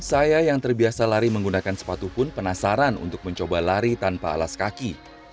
saya yang terbiasa lari menggunakan sepatu pun penasaran untuk mencoba lari tanpa alas kaki